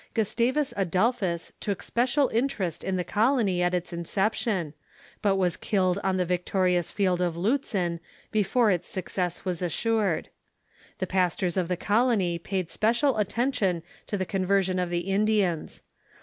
Gustavus Adolphus took special interest in the colony at its inception, but was killed on the victorious field of Liitzen before its suc cess was assured. The pastors of the colony paid special at tention to the conversion of the Indians.